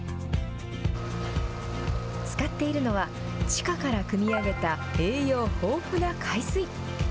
使っているのは、地下からくみ上げた栄養豊富な海水。